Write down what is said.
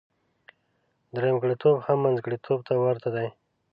درېمګړتوب هم منځګړتوب ته ورته دی.